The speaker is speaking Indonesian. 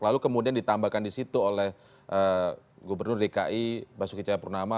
lalu kemudian ditambahkan disitu oleh gubernur dki basuki cahaya purnama